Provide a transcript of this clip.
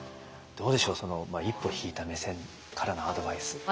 どうでしょう一歩引いた目線からのアドバイス。